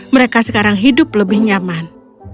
mereka sekarang hidup lebih nyaman